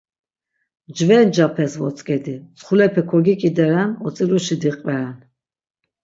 Mcve ncapes votzk̆edi, mtsxulepe kogik̆ideren, otziluşi diqveren.